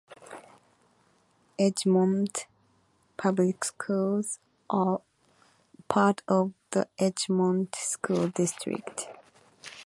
Edgemont Public Schools are part of the Edgemont School District.